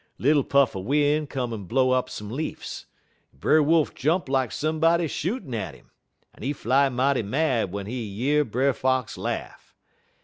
"Little puff er win' come en blow'd up some leafs, en Brer Wolf jump lak somebody shootin' at 'im, en he fly mighty mad w'en he year Brer Fox laugh.